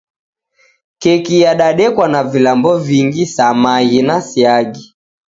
Keki yadadekwa na vilambo vingi, sa maghi na siagi